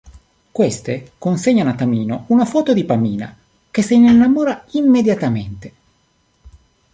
Queste consegnano a Tamino una foto di Pamina, che se ne innamora immediatamente.